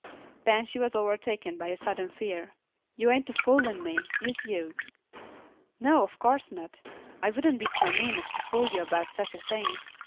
Then she was overtaken by a sudden fear. "Yuh ain't a foolin' me, is yuh?" "No, of course not. I wouldn't be so mean as to fool you about such a thing.